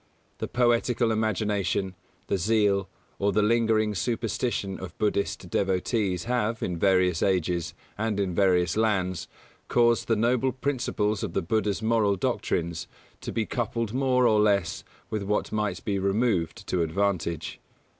The poetical imagination, the zeal, or the lingering superstition of Buddhist devotees have, in various ages, and in various lands, caused the noble principles of the Buddha's moral doctrines to be coupled more or less with what might be removed to advantage.